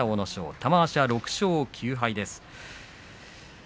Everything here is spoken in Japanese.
玉鷲は６勝９敗です。